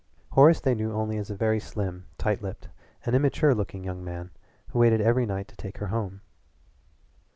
Horace they knew only as a very slim, tight lipped, and immature looking young man, who waited every night to take her home.